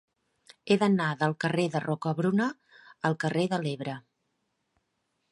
He d'anar del carrer de Rocabruna al carrer de l'Ebre.